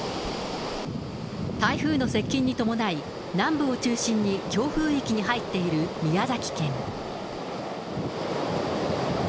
台風の接近に伴い、南部を中心に強風域に入っている宮崎県。